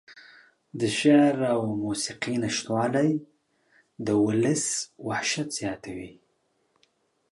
د شعر او موسيقۍ نشتوالى د اولس وحشت زياتوي.